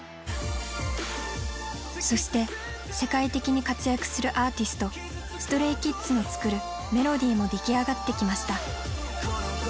そして世界的に活躍するアーティストＳｔｒａｙＫｉｄｓの作るメロディーも出来上がってきました。